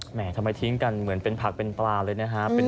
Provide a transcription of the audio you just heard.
ทำไมทิ้งกันเหมือนเป็นผักเป็นปลาเลยนะฮะ